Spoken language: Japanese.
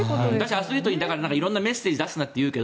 アスリートに色んなメッセージ出すなというけど